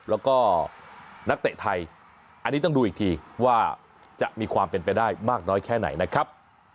แล้วก็นักเตะไทยอันนี้ต้องดูอีกทีว่าจะมีความเป็นไปได้มากน้อยแค่ไหนนะครับ